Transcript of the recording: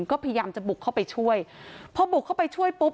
ก็พยายามจะบุกเข้าไปช่วยพอบุกเข้าไปช่วยปุ๊บ